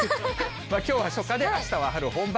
きょうは初夏で、あしたは春本番。